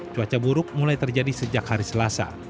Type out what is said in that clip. cuaca buruk mulai terjadi sejak hari selasa